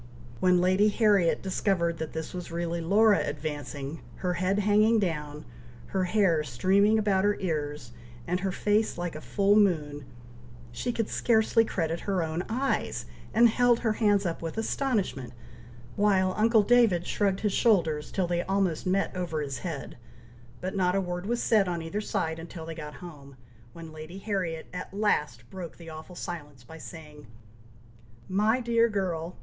When Lady Harriet discovered that this was really Laura advancing, her head hanging down, her hair streaming about her ears, and her face like a full moon, she could scarcely credit her own eyes, and held her hands up with astonishment, while uncle David shrugged his shoulders, till they almost met over his head, but not a word was said on either side until they got home, when Lady Harriet at last broke the awful silence by saying, "My dear girl!